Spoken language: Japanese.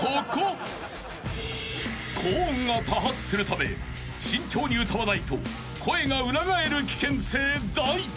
［高音が多発するため慎重に歌わないと声が裏返る危険性大］